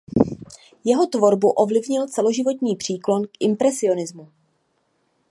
Jeho tvorbu ovlivnil celoživotní příklon k impresionismu.